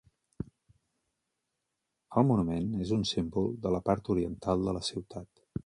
El monument és un símbol de la part oriental de la ciutat.